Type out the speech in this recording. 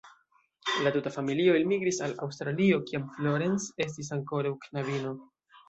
La tuta familio elmigris al Aŭstralio, kiam Florence estis ankoraŭ knabino.